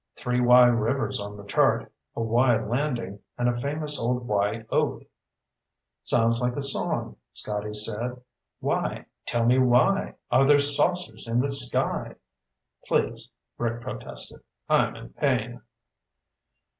Three Wye Rivers on the chart, a Wye Landing, and a famous old Wye Oak." "Sounds like a song," Scotty said. "Wye, tell me Wye, are there saucers in the sky " "Please," Rick protested, "I'm in pain."